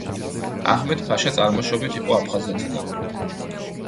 აჰმედ-ფაშა წარმოშობით იყო აფხაზეთიდან.